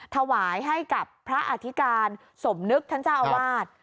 ถวายให้กับพระอธิการสมนึกท่านเจ้าอาวาส